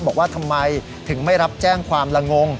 บอกว่าทำไมถึงไม่รับแจ้งความละงง